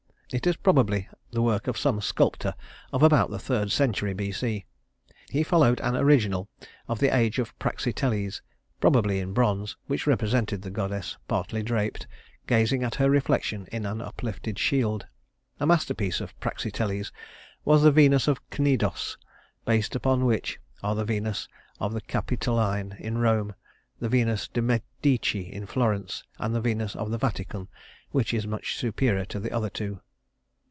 It is probably the work of some sculptor of about the third century B.C. He followed an original of the age of Praxiteles, probably in bronze, which represented the goddess, partly draped, gazing at her reflection in an uplifted shield. A masterpiece of Praxiteles was the Venus of Cnidos, based upon which are the Venus of the Capitoline in Rome, the Venus de Medici in Florence, and the Venus of the Vatican, which is much superior to the other two.